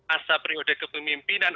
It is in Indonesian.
asa periode kepemimpinan